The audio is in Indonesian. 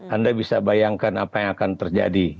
anda bisa bayangkan apa yang akan terjadi